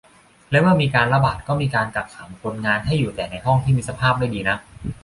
และเมื่อมีการระบาดก็มีการกักขังคนงานให้อยู่แต่ในห้องที่มีสภาพไม่ดีนัก